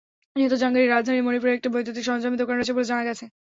নিহত জাহাঙ্গীরের রাজধানীর মনিপুরে একটি বৈদ্যুতিক সরঞ্জামের দোকান রয়েছে বলে জানা গেছে।